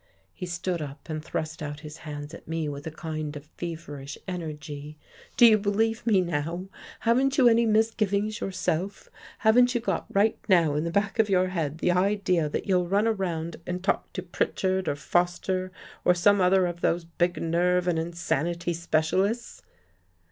'' He stood up and thrust out his hands at me with a kind of feverish energy. " Do you believe me now? Haven't you any mis givings yourself? Haven't you got right now in the back of your head the idea that you'll run around and talk to Pritchard or Foster, or some other of those big nerve and insanity specialists?